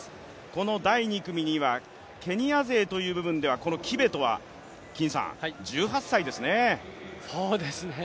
この第２組にはケニア勢という部分では、このキベトは１８歳ですね。